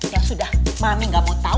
ya sudah mami gak mau tau